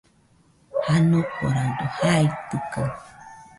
Janokoraɨdo jaitɨkaɨ.